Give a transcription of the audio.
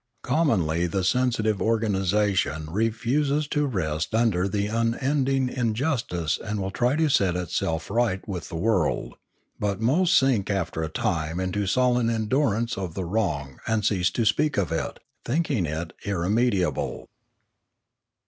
Com monly the sensitive organisation refuses to rest under Ethics 579 the unending injustice and will try to set itself right with the world; but most sink after a time into sullen endurance of the wrong and cease to speak of it, think ing it irremediable.